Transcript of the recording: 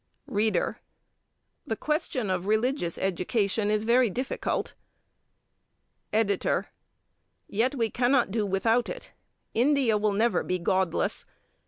READER: The question of religious education is very difficult. EDITOR: Yet we cannot do without it. India will never be godless.